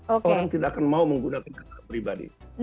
orang tidak akan mau menggunakan kendaraan pribadi